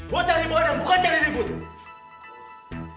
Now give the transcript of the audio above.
gue cari boy dan bukan cari dibutuh